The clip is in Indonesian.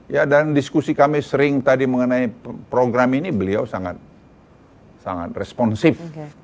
ya dan diskusi kami sering tadi mengenai program ini beliau sangat responsif